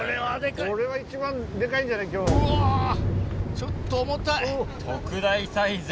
うわちょっと重たい。